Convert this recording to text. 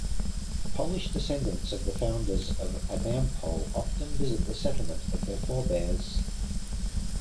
Polish descendants of the founders of Adampol often visit the settlement of their forebears.